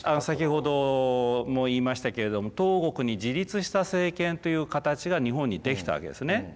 先ほども言いましたけれども「東国に自立した政権」という形が日本にできたわけですね。